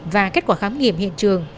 và kết quả khám nghiệm hiện trường